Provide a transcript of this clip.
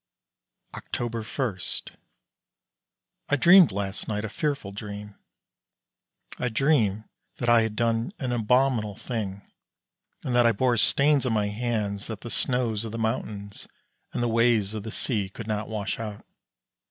October 1. I dreamed last night a fearful dream. I dreamed that I had done an abominable thing, and that I bore stains on my hands that the snows of the mountains and the waves of the sea could not wash out.